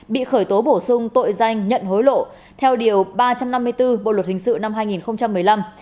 bị khởi tố bổ sung tội danh nhận hối lộ theo điều ba trăm năm mươi bốn bộ luật hình sự năm hai nghìn một mươi năm